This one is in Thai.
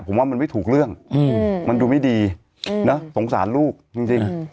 ผมว่ามันไม่ถูกเรื่องมันดูไม่ดีนะสงสารลูกจริง